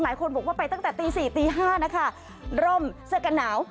หลายคนบอกว่าไปตั้งแต่ตีสี่ตีห้านะคะร่มเสื้อกันหนาว